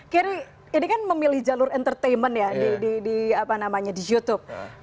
keri ini kan memilih jalur entertainment ya di youtube